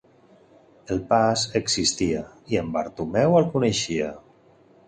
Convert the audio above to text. El pas existia i en Bartomeu el coneixia.